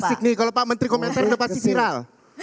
asik nih kalau pak menteri komentarin lepasin viral